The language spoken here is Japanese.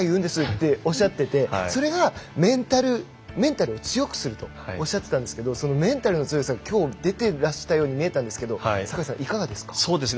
とおっしゃっていてそれがメンタルを強くするとおっしゃっていたんですがそのメンタルの強さ、きょう出ていらしたように見えたんですが坂井さん、いかがですか？